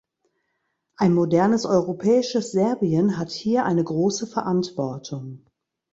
Ein modernes, europäisches Serbien hat hier eine große Verantwortung.